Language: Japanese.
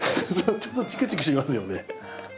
ちょっとチクチクしますよね。